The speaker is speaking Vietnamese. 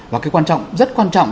và cái quan trọng rất quan trọng